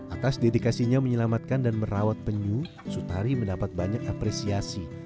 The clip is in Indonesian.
atas dedikasinya menyelamatkan dan merawat penyu sutari mendapat banyak apresiasi